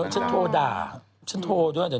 ฉันโทรด่าฉันโทรด้วยเนี่ย